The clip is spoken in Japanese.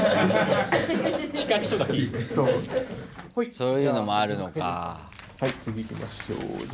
そういうのもあるのか。